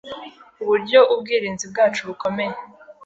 uburyo ubwirinzi bwacu bukomeye